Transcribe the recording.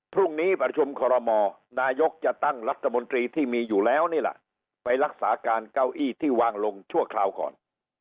พรุ่งนี้ประชุมคอรมอนายกจะตั้งรัฐมนตรีที่มีอยู่แล้วนี่แหละไปรักษาการเก้าอี้ที่วางลงชั่วคราวก่อน